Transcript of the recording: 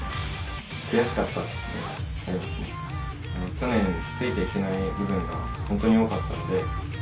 去年ついていけない部分がホントに多かったので。